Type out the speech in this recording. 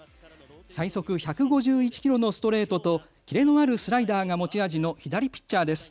最速１５１キロのストレートと切れのあるスライダーが持ち味の左ピッチャーです。